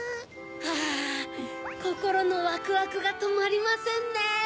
あこころのワクワクがとまりませんね。